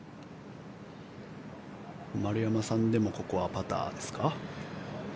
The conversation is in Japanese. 丸山さんでもここはパターですか？